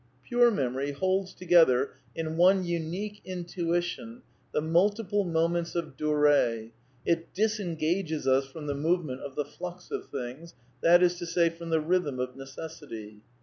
Pure ^ memory holds together " in one unique intuition the mul tiple moments of duree, it disengages us from the move ment of the flux of things, that is to say, from the rhythm of necessity."